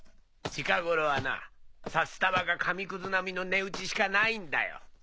近頃はな札束が紙クズ並みの値打ちしかないんだよ。